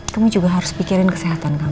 kamu juga harus pikirin kesehatan kamu